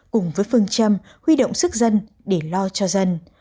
cùng với phương châm huy động sức dân để lo cho dân